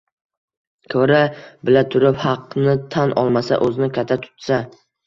Ko‘ra-bila turib haqni tan olmasa, o‘zini katta tutsa